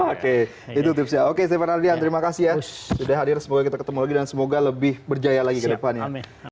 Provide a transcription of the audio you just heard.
oke itu tipsnya oke stefan ardian terima kasih ya sudah hadir semoga kita ketemu lagi dan semoga lebih berjaya lagi ke depannya